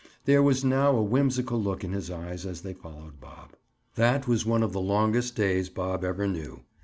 There was now a whimsical look in his eyes as they followed Bob. That was one of the longest days Bob ever knew.